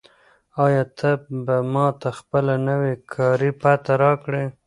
آیا ته به ماته خپله نوې کاري پته راکړې؟